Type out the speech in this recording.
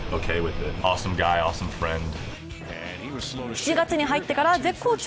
７月に入ってから絶好調！